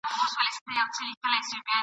ستا د غواوو دي تېره تېره ښکرونه !.